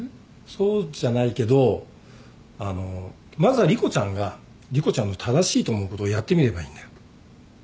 そうじゃないけどあのまずは莉湖ちゃんが莉湖ちゃんの正しいと思うことをやってみればいいんだよ。